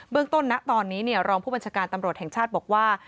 เรื่องต้นนะตอนนี้รองผู้บัญชาการตำรวจแห่งชาติบอกว่า